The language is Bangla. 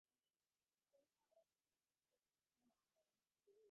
তাহাই বটে, কিন্তু সে পায়ে আর মল বাজিতেছে না।